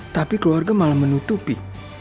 tapi keluarga malah menutupi